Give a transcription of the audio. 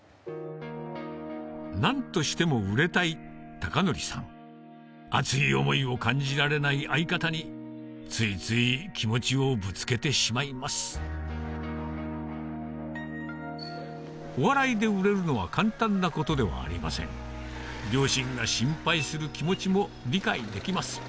何としても売れたい孝法さん熱い思いを感じられない相方についつい気持ちをぶつけてしまいますお笑いで売れるのは簡単なことではありません両親が心配する気持ちも理解できます